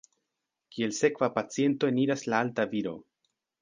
Kiel sekva paciento eniras la alta viro.